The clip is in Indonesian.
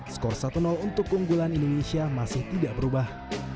skor satu untuk keunggulan indonesia masih tidak berubah